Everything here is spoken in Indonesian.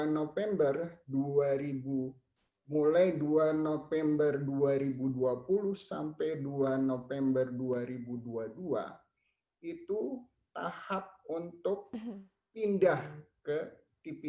november dua ribu mulai dua november dua ribu dua puluh sampai dua november dua ribu dua puluh dua itu tahap untuk pindah ke tv